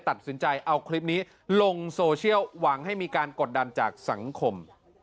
ตัดสินใจเอาคลิปนี้ลงโซเชียลหวังให้มีการกดดันจากสังคม